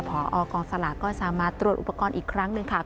พอกองสลากก็สามารถตรวจอุปกรณ์อีกครั้งหนึ่งค่ะ